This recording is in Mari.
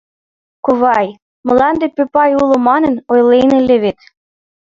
— Ковай, мланде пӧпай уло манын, ойлен ыле вет.